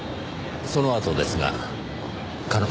そのあとですが彼女は？